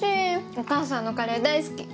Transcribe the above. お母さんのカレー大好き。